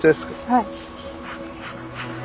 はい。